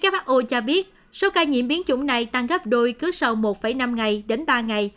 who cho biết số ca nhiễm biến chủng này tăng gấp đôi cứ sau một năm ngày đến ba ngày